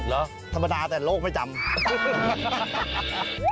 หรือธรรมดาแต่โลกไม่จำฮ่า